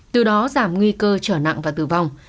từ đó giảm nguy cơ trở nặng và tử vong